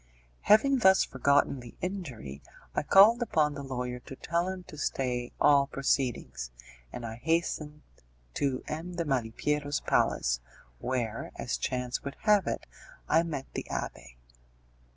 Having thus forgotten the injury, I called upon the lawyer to tell him to stay all proceedings, and I hastened to M. de Malipiero's palace, where, as chance would have it, I met the abbé.